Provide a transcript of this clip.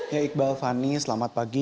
ya iqbal fani selamat pagi